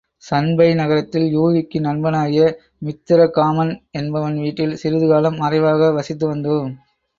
சண்பை நகரத்தில் யூகிக்கு நண்பனாகிய மித்திரகாமன் என்பவன் வீட்டில் சிறிது காலம் மறைவாக வசித்து வந்தோம்.